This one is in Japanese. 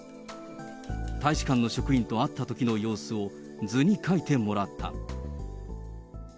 大使館の職員と会ったときの様子を、図に書いてもらった。